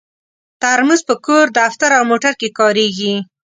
ترموز په کور، دفتر او موټر کې کارېږي.